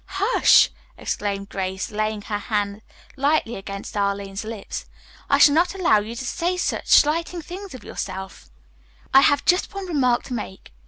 "Hush!" exclaimed Grace, laying her hand lightly against Arline's lips. "I shall not allow you to say slighting things of yourself. I have just one remark to make.